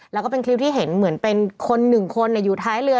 แล้วก็เป็นคลิปที่เห็นเหมือนเป็นคนหนึ่งคนอยู่ท้ายเรือ